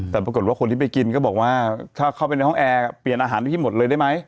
แต่ปรากฏว่าคนที่ไปกินก็บอกว่าถ้าเข้าไปในห้องแอร์เปลี่ยนอาหารให้หมดเลยได้ไหม